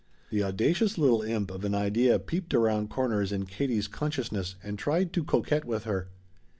The audacious little imp of an idea peeped around corners in Katie's consciousness and tried to coquet with her.